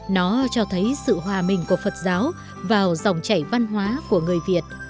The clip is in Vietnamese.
nó cho thấy sự hòa mình của phật giáo vào dòng chảy văn hóa của người việt